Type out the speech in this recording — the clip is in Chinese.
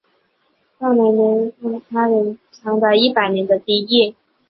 赫梅尔尼茨基试图缓和哥萨克与鞑靼人之间长达一百年的敌意。